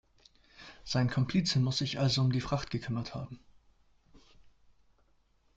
Sein Komplize muss sich also um die Fracht gekümmert haben.